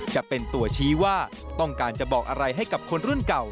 จะเป็นตัวชี้ว่าต้องการจะบอกอะไรให้กับคนรุ่นเก่า